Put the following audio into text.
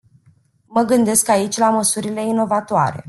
Mă gândesc aici la măsurile inovatoare.